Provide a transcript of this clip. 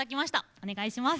お願いします。